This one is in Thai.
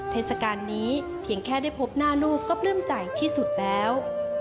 เทศกาลนี้เพียงแค่ได้พบหน้าลูกก็ปลื้มใจที่สุดแล้ว